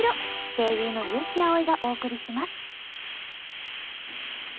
声優の悠木碧がお送りします。